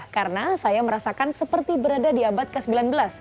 karena saya merasakan seperti berada di abad ke sembilan belas